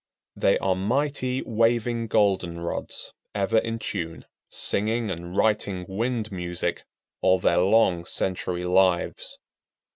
They are mighty waving goldenrods, ever in tune, singing and writing wind music all their long century lives.